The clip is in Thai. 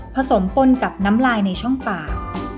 สมปนกับน้ำลายในช่องปาก